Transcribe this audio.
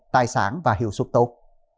tài sản và hiệu suất tốt